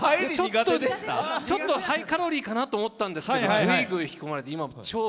ちょっとハイカロリーかなと思ったんですけどぐいぐい引き込まれて。